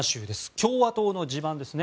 共和党の地盤ですね。